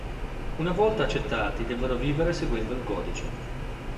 Una volta accettati devono vivere seguendo il codice.